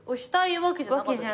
わけじゃない。